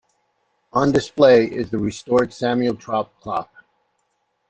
On display is the restored Samuel Thorp clock.